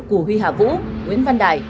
củ huy hà vũ nguyễn văn đại